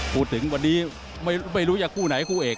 พูดถึงวันนี้ไม่รู้จะคู่ไหนคู่เอก